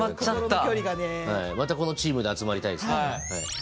またこのチームで集まりたいですね。